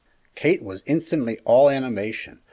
Kate was instantly all animation.